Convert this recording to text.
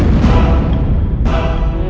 riki masih hidup